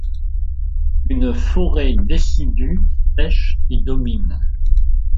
Une forêt décidue sèche y domine.